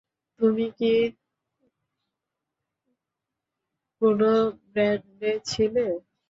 তুমি কি কোনো ব্যান্ডে ছিলে?